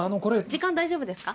時間大丈夫ですか？